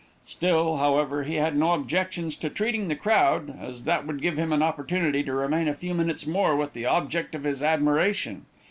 Still, however, he had no objections to treating the crowd, as that would give him an opportunity to remain a few minutes more with the object of his admiration.